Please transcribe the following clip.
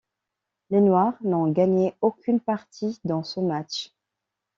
Les Noirs n'ont gagné aucune partie dans ce match.